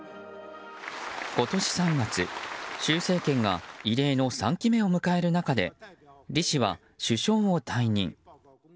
今年３月、習政権が異例の３期目を迎える中で李氏は、首相を退任。